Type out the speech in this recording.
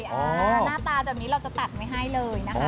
หน้าตาแบบนี้เราจะตัดไม่ให้เลยนะคะ